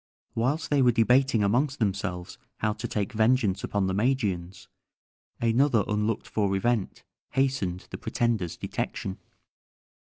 Whilst they were debating amongst themselves how to take vengeance upon the Magians, another unlooked for event hastened the pretender's detection.